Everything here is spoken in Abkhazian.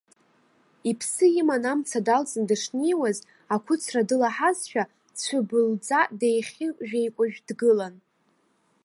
Иԥсы иман амца далҵны дышнеиуаз, ақәыцра дылаҳазшәа, дцәыббылӡа деихьыжәеикәыжә дгылан.